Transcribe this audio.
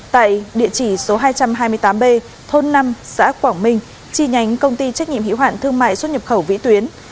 tại địa chỉ số hai trăm hai mươi tám b thôn năm xã quảng minh chi nhánh công ty trách nhiệm hiệu hạn thương mại xuất nhập khẩu vĩ tuyến